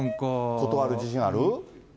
断る自信ある？